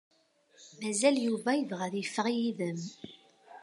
Mazal Yuba yebɣa ad iffeɣ yid-m.